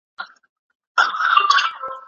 خلک به ورسره عادت شي.